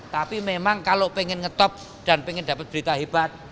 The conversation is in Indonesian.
tapi memang kalau pengen ngetop dan pengen dapat berita hebat